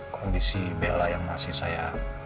kondisi bella yang masih saya